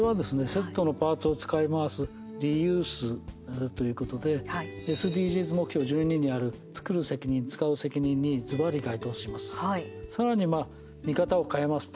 セットのパーツを使い回すリユースということでＳＤＧｓ目標１２にある作る責任、使う責任にずばり該当します。